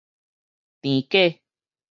甜粿